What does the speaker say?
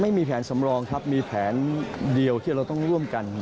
ไม่มีแผนสำรองครับมีแผนเดียวที่เราต้องร่วมกัน